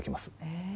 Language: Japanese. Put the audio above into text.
へえ